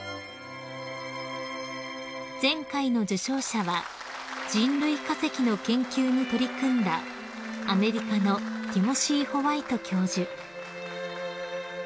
［前回の受賞者は人類化石の研究に取り組んだアメリカのティモシー・ホワイト教授］